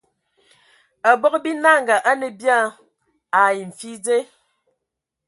Abog binanga a nə bia ai mfi dze.